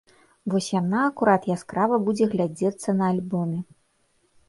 Вось яна акурат яскрава будзе глядзецца на альбоме.